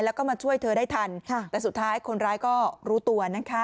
แล้วก็มาช่วยเธอได้ทันแต่สุดท้ายคนร้ายก็รู้ตัวนะคะ